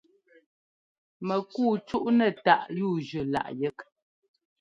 Mɛkúu cúꞌnɛ́ táꞌ yúujʉ́ láꞌ yɛ́k.